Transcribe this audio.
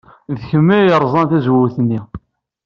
D kemm ay yerẓan tazewwut-nni.